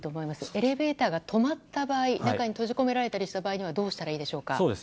エレベーターが止まった場合中に閉じ込められたりした場合はどうしたらいいでしょうか？